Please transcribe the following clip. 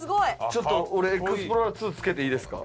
ちょっと俺エクスプローラーⅡ着けていいですか？